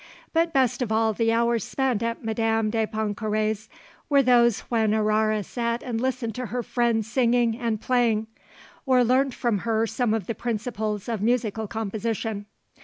But best of all the hours spent at Madame de Pontcarré's were those when Aurore sat and listened to her friend singing and playing, or learned from her some of the principles of musical composition.